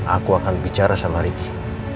aku akan bicara sama ricky